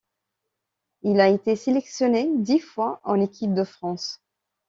Il a été sélectionné dix fois en équipe de France.